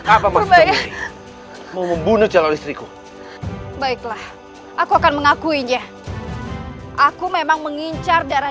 apa masih mau membunuh jalur listrik baiklah aku akan mengakuinya aku memang mengincar darah